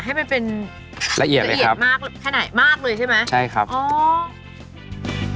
ให้มันเป็นละเอียดมากเลยใช่ไหมใช่ครับเอาให้ขนาดไหนให้มันเป็นละเอียดมากเลยใช่ไหมอ๋อ